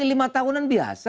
ya kan lima tahunan biasa